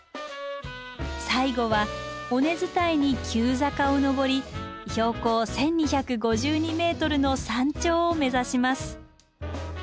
最後は尾根伝いに急坂を登り標高１，２５２ｍの山頂を目指します。